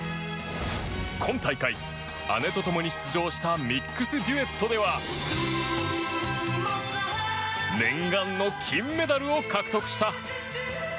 今大会、姉と共に出場したミックスデュエットでは念願の金メダルを獲得した。